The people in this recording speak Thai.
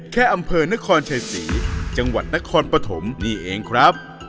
อำเภอนครชัยศรีจังหวัดนครปฐมนี่เองครับ